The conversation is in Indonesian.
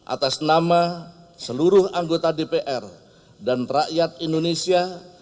atas nama seluruh anggota dpr dan rakyat indonesia